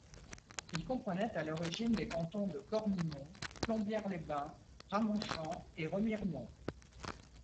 Il comprenait à l'origine les cantons de Cornimont, Plombières-les-Bains, Ramonchamp et Remiremont.